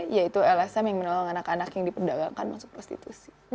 yaitu lsm yang menolong anak anak yang diperdagangkan masuk prostitusi